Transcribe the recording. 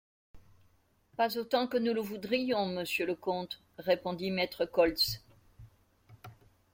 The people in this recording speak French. Pas autant que nous le voudrions, monsieur le comte, répondit maître Koltz.